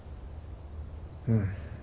うん。